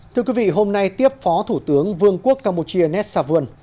thưa quý vị hôm nay tiếp phó thủ tướng vương quốc campuchia nessavuon